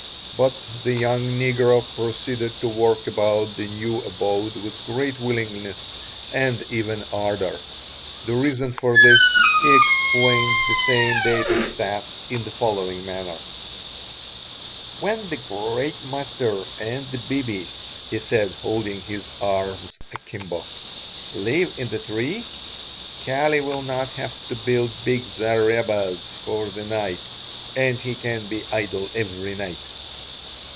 But the young negro proceeded to work about the new abode with great willingness and even ardor; the reason for this he explained the same day to Stas in the following manner: "When the great master and the 'bibi,'" he said, holding his arms akimbo, "live in the tree, Kali will not have to build big zarebas for the night and he can be idle every night."